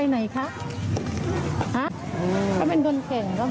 ฮะก็เป็นคนเก่งนะ